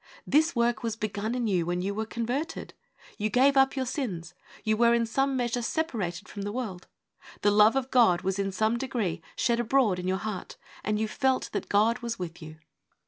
This work was begun in you when you were converted. You gave up your sins. You were in some measure separated from the world ; the love of God was in some degree shed abroad in your heart, and you felt that God was with you.